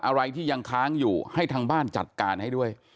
อะไรที่ยังค้างอยู่ให้ทางบ้านจัดการให้ด้วย